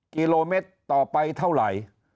กิโลเมตรต่อไปเท่าไหร่